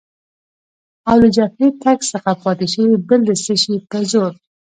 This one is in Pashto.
او له جبهې تګ څخه پاتې شوې، بل د څه شي په زور؟